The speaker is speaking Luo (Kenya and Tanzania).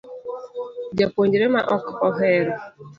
Japuonjre ma ok ohero